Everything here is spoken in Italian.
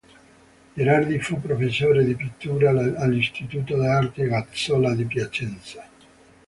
Gherardi fu professore di pittura all'istituto d'arte Gazzola di Piacenza.